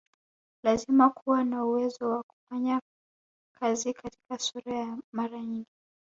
Lazima kuwa na uwezo wa kufanya kazi katika sura ya mara nyingi